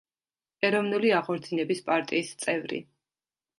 ეროვნული აღორძინების პარტიის წევრი.